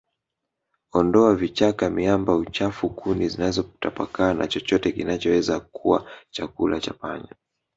Ondoa vichaka miamba uchafu kuni zilizotapakaa na chochote kinachoweza kuwa chakula cha panya